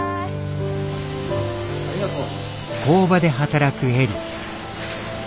ありがとう。